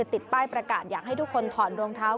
ติดป้ายประกาศอยากให้ทุกคนถอดรองเท้า